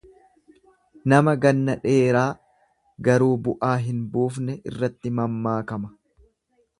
Nama ganna dheeraa garuu bu'aa hin buufne irratti mammaakama.